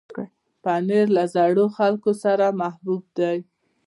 پنېر له زړو خلکو سره محبوب دی.